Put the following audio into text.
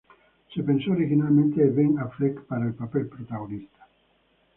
Se pensó originalmente en Ben Affleck para el papel protagonista.